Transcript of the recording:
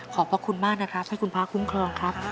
ขอบพระคุณมากนะครับให้คุณพระคุ้มครองครับ